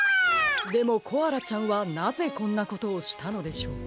でもコアラちゃんはなぜこんなことをしたのでしょう。